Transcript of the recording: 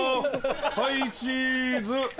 はいチーズ！